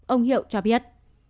ông hiệu cho biết